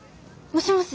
もしもし？